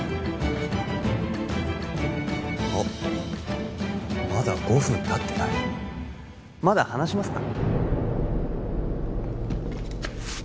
あッまだ５分たってないまだ話しますか？